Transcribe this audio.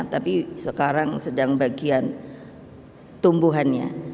tapi sekarang sedang bagian tumbuhannya